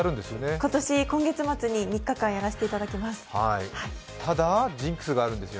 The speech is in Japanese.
今月末に３日間やらせていただきます。